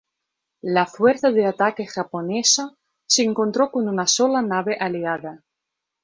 La fuerza de ataque japonesa se encontró con una sola nave aliada.